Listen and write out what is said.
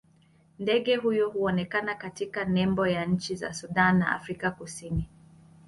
Ndege huyu huonekana katika nembo ya nchi za Sudan na Afrika Kusini.